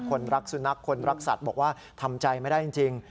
คนรักสุนัขคนรักสัตว์บอกว่าทำใจไม่ได้จริง